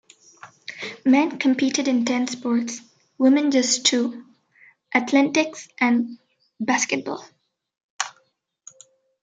Men competed in ten sports, women just two; athletics and basketball.